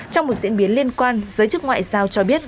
trong một diễn biến liên quan giới chức ngoại giao cho biết